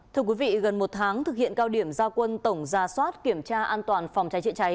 thưa quý vị gần một tháng thực hiện cao điểm gia quân tổng ra soát kiểm tra an toàn phòng trái trị trái